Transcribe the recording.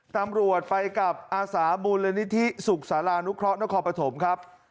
ตามรวจไปกับอาสาบูรณนิธิศุกร์สารานุเคราะห์นครปภมครับ